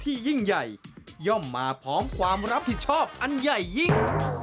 ยิ่งใหญ่ย่อมมาพร้อมความรับผิดชอบอันใหญ่ยิ่ง